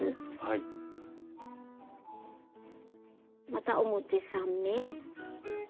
また表３目。